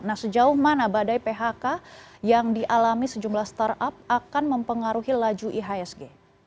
nah sejauh mana badai phk yang dialami sejumlah startup akan mempengaruhi laju ihsg